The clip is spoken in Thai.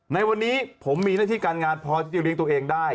ในวันนี้ผมมีหน้าที่การงานพอที่จะเลี้ยงตัวเองได้